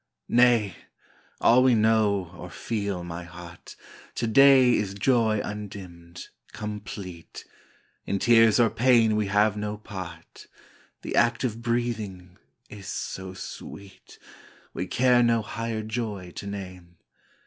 Nay! all we know, or feel, my heart, To day is joy undimmed, complete; In tears or pain we have no part; The act of breathing is so sweet, We care no higher joy to name.